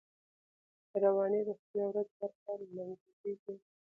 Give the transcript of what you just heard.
د رواني روغتیا ورځ هر کال نمانځل کېږي.